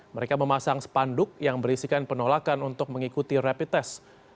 mereka memasang spanduk yang berisikan penolakan untuk mengikuti rapid test